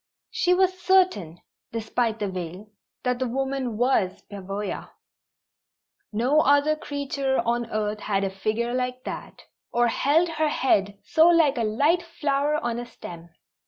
She was certain, despite the veil, that the woman was Pavoya. No other creature on earth had a figure like that, or held her head so like a light flower on a stem.